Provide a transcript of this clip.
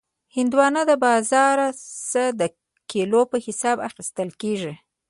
هندوانه له بازار نه د کیلو په حساب اخیستل کېږي.